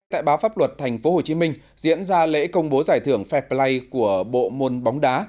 tại báo pháp luật tp hcm diễn ra lễ công bố giải thưởng fair play của bộ môn bóng đá